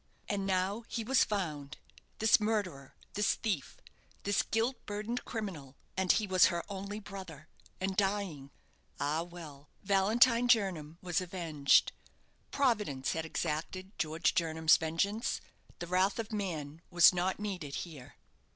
And now he was found, this murderer, this thief, this guilt burdened criminal: and he was her only brother, and dying. Ah, well, Valentine Jernam was avenged. Providence had exacted George Jernam's vengeance: the wrath of man was not needed here.